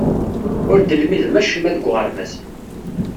Ur d-lmidem acemma deg uɣerbaz.